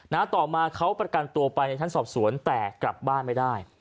ต่อมาเขาประกันตัวไปในชั้นสอบสวนแต่กลับบ้านไม่ได้